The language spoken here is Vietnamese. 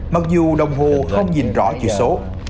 mặc dù đồng hồ không nhìn rõ chữ số